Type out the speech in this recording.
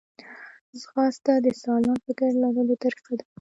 ځغاسته د سالم فکر لرلو طریقه ده